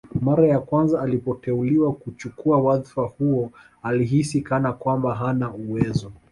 Mara ya kwanza alipoteuliwa kuchukua wadhfa huo alihisi kana kwamba hana uwezo